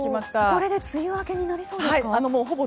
これで梅雨明けになりそうですか？